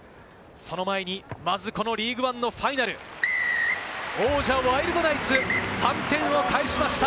その前にまずこのリーグワンのファイナル、王者・ワイルドナイツ、３点を返しました。